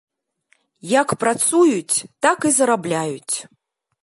Як працуюць, так і зарабляюць.